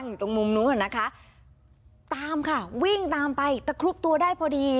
อยู่ตรงมุมนู้นอ่ะนะคะตามค่ะวิ่งตามไปตะคลุกตัวได้พอดี